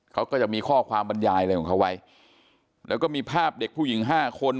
เขาก็จะมีข้อความบรรยายอะไรของเขาไว้แล้วก็มีภาพเด็กผู้หญิงห้าคน